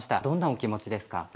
どんなお気持ちですか？